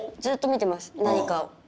ずっと見てます何かを。